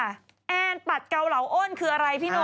แอ้นปัดเกาเหลาโอนคืออะไรพี่นุ่ม